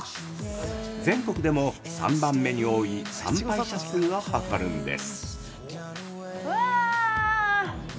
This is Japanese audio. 全国でも３番目に多い参拝者数を誇るんです。